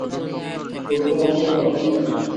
ভবিষ্যৎ আমাদের জন্য অপেক্ষা করছে!